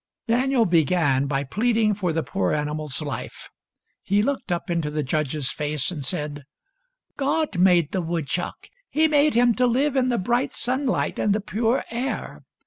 Daniel began by pleading for the poor animal's life. He looked up into the judge's face, and said :—" God made the woodchuck. He made him to live in the bright sunlight and the pure air.